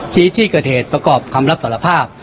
ชี้ต้นที่กะเถดประกอบคำลับสรรพาพ